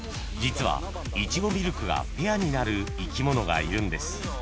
［実はイチゴミルクがペアになる生き物がいるんです］